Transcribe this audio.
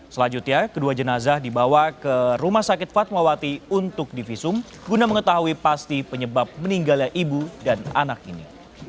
selanjutnya kedua jenazah dibawa ke rumah sakit fatmawati untuk divisum guna mengetahui pasti penyebab meninggalnya ibu dan anak ini